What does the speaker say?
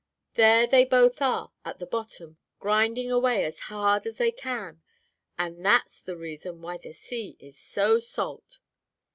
There they both are at the bottom, grinding away as hard as they can; and that's the reason why the sea is so salt!"